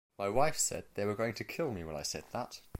My wife said they were going to kill me when I said that.